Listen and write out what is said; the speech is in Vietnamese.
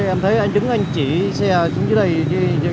em thấy anh đứng anh chỉ xe dưới đây dưới trong cái ngõ này